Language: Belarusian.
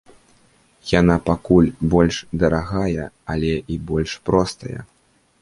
Яна пакуль больш дарагая, але і больш простая.